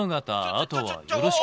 あとはよろしく。